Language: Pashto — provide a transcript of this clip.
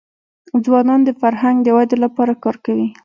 ځوانان د فرهنګ د ودي لپاره کار کوي.